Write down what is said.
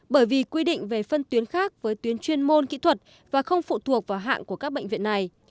bởi vì quy định về phân tuyến khác với tuyến chuyên môn kỹ thuật và không phụ thuộc vào hạng của các bệnh viện này